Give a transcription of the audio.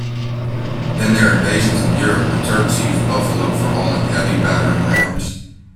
In their invasions of Europe, the Turks used buffalo for hauling heavy battering rams.